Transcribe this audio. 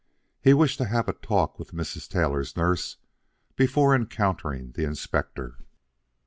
He wished to have a talk with Mrs. Taylor's nurse before encountering the Inspector.